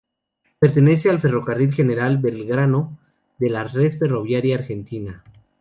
Pertenece al Ferrocarril General Belgrano de la Red ferroviaria argentina.